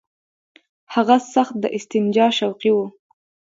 هغه سخت د استنجا شوقي وو.